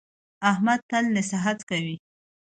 احمد تل نصیحت کوي.